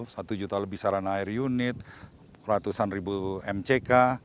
satu juta lebih saran air unit ratusan ribu mck